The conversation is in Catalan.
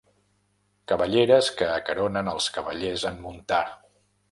Cabelleres que acaronen els cavallers en muntar.